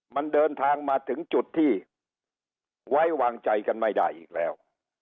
มันเดินทางมาถึงจุดที่ไว้วางใจกันไม่ได้อีกแล้ว